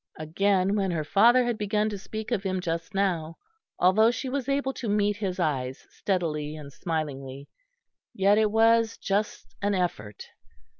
Again when her father had begun to speak of him just now, although she was able to meet his eyes steadily and smilingly, yet it was just an effort.